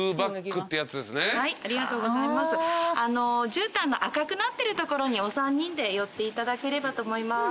じゅうたんの赤くなってる所にお三人で寄っていただければと思います。